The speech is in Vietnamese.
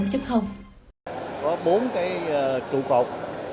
có bốn cái trụ cột